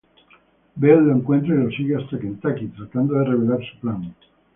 Vail lo encuentra y lo sigue hasta Kentucky, tratando de revelar su plan.